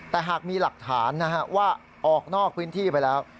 แต่หากมีหลักฐานนะฮะว่าออกนอกพื้นที่ไปแล้ว